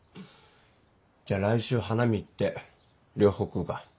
じゃあ来週花見行って両方食うか。